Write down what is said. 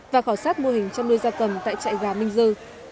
và khảo sát mô hình chăm nuôi da cầm tại chạy gà minh dư